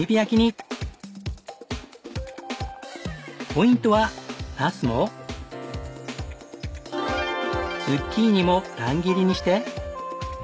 ポイントはナスもズッキーニも乱切りにして。